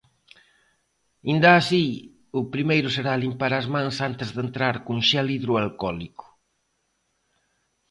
Inda así, o primeiro será limpar as mans antes de entrar con xel hidroalcólico.